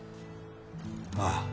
ああ。